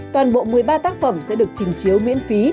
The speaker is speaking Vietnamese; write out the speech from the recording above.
toàn bộ một mươi ba tác phẩm sẽ được trình chiếu miễn phí